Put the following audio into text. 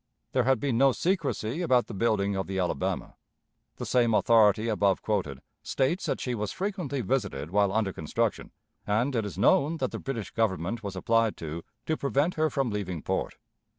There had been no secrecy about the building of the Alabama. The same authority above quoted states that she was frequently visited while under construction, and it is known that the British Government was applied to to prevent her from leaving port.